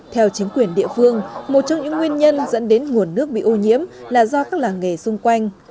theo chính quyền địa phương một trong những nguyên nhân dẫn đến nguồn nước bị ô nhiễm là do các làng nghề xung quanh